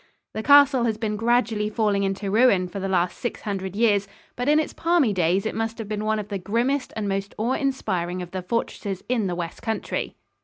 The castle has been gradually falling into ruin for the last six hundred years, but in its palmy days it must have been one of the grimmest and most awe inspiring of the fortresses in the west country.